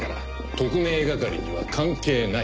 特命係には関係ない。